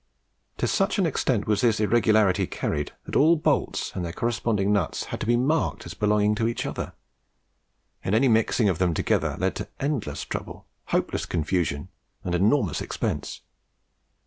To such an extent was this irregularity carried, that all bolts and their corresponding nuts had to be marked as belonging to each other; and any mixing of them together led to endless trouble, hopeless confusion, and enormous expense.